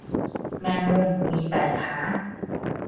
แมงมุม มีแปดขา